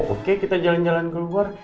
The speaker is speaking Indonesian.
oke kita jalan jalan keluar